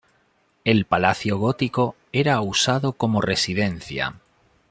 El palacio gótico era usado como residencia.